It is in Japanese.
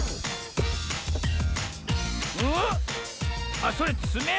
あっそれつめる